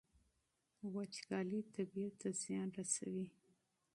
وچکالي طبیعت ته زیان رسوي.